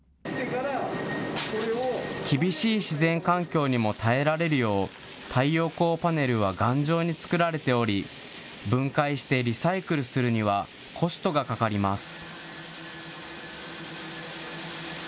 厳しい自然環境にも耐えられるよう、太陽光パネルは頑丈に作られており、分解してリサイクルするにはコストがかかります。